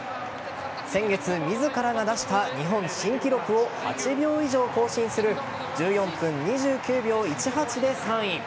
先月、自らが出した日本新記録を８秒以上更新する１４分２９秒１８で３位。